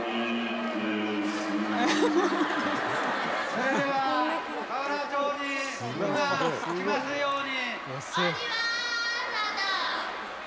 それでは河原町に福が来ますように。